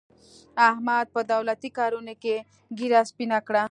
احمد په دولتي کارونو کې ږېره سپینه کړه.